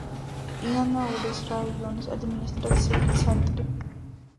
იანაულის რაიონის ადმინისტრაციული ცენტრი.